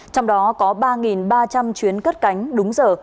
trong đó có ba ba trăm linh chuyến cất cánh đúng giờ